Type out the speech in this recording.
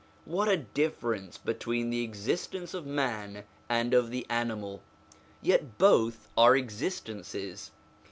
What a difference between the existence of man and of the animal! Yet both are existences.